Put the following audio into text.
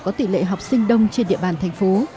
có tỷ lệ học sinh đông trên địa bàn thành phố